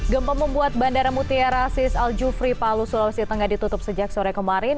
gempa membuat bandara mutiara sis al jufri palu sulawesi tengah ditutup sejak sore kemarin